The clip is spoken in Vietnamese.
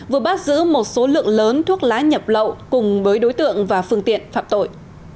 vừa bắt giữ một số lượng lớn thuốc lá nhập lậu cùng với đối tượng và phương tiện phạm tội